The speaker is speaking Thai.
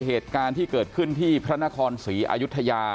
เหตุการณ์ที่เกิดขึ้นที่พระนครศรีอายุทยา